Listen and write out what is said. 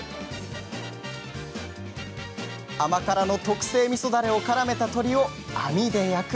甘辛の特製みそダレをからめた鶏を網で焼く。